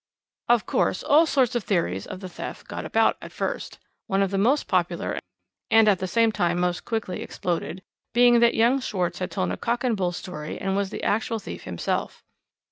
"Of course, all sorts of theories of the theft got about at first. One of the most popular, and at the same time most quickly exploded, being that young Schwarz had told a cock and bull story, and was the actual thief himself.